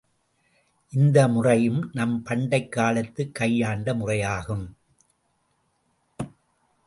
இந்த முறையும் நம் பண்டைக் காலத்துக் கையாண்ட முறையாகும்.